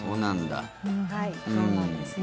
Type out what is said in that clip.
はい、そうなんですね。